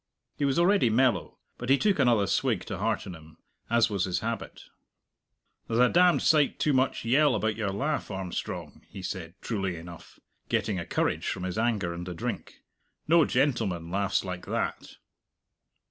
He was already mellow, but he took another swig to hearten him, as was his habit. "There's a damned sight too much yell about your laugh, Armstrong," he said, truly enough, getting a courage from his anger and the drink. "No gentleman laughs like that."